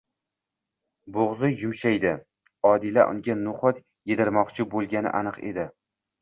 Bo'g'zi yumshaydi. Odila unga no'xat yedirmoqchi bo'lgani aniq edi.